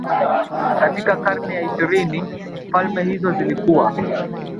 katika karne ya ishirini Falme hizo zilikuwa